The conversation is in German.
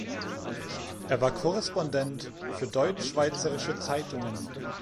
Er war Korrespondent für deutschschweizerische Zeitungen.